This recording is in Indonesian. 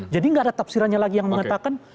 jadi gak ada tafsirannya lagi yang mengatakan